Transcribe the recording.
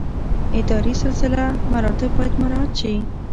اداري سلسله مراتب باید مراعات شي